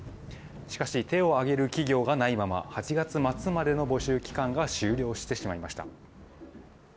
しかし手を挙げる企業がないまま８月末までの募集期間が終了してしまいました。